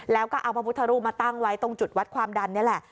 แล้วก็เอาพระพุทธรูปมาตั้งไว้ตรงจุดวัดความดันนี่แหละ